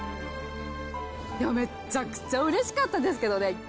いや、めっちゃくちゃうれしかったですけどね。